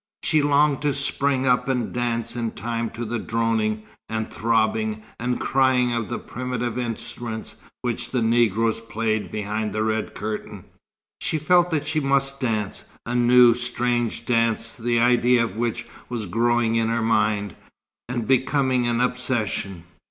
She longed to spring up and dance in time to the droning, and throbbing, and crying of the primitive instruments which the Negroes played behind the red curtain. She felt that she must dance, a new, strange dance the idea of which was growing in her mind, and becoming an obsession.